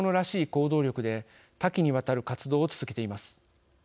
行動力で多岐にわたる活動を続けています。